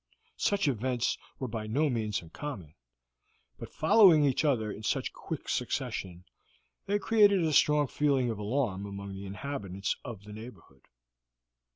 Such events were by no means uncommon, but following each other in such quick succession they created a strong feeling of alarm among the inhabitants of the neighborhood.